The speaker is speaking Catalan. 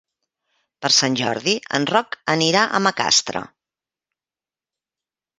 Per Sant Jordi en Roc anirà a Macastre.